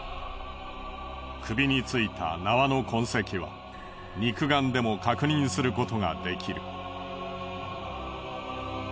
首についた縄の痕跡は肉眼でも確認することができる。